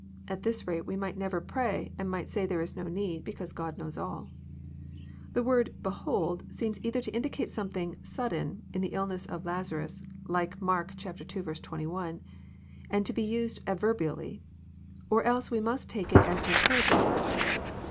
At this rate we might never pray, and might say there is no need, because God knows all I The word behold seems either to indicate something " sud den *' in the illness of Lazarus, like Mark ii. 21, and to be used adverbially; or else we must take it as an imperative verb.